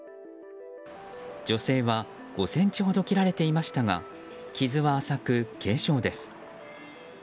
女性は５ｃｍほど切られていましたが傷は浅く軽傷です。